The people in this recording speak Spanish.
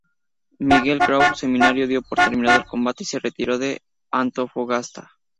Miguel Grau Seminario dio por terminado el combate y se retiró de Antofagasta.